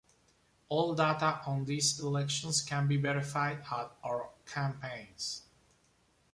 All data on these elections can be verified at "Our Campaigns".